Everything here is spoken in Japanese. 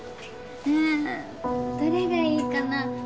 うんどれがいいかな？